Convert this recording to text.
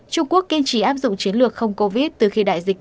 trung quốc kiên trì áp dụng chiến lược không covid từ khi đại dịch